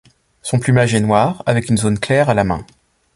Son plumage est noir, avec une zone claire à la main.